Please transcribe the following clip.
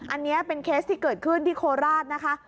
อันนี้เป็นเคสที่เกิดขึ้นที่โคราชนะคะ